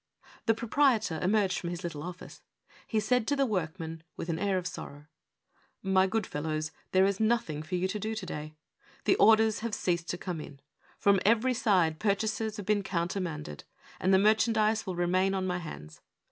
The proprietor emerged from his little office. He said to the workmen, with an air of sorrow :" My good fellows, there is nothing for you to do to day. Orders have ceased to come in; from every side purchases have been countermanded, and the mer chandise will remain on my hands.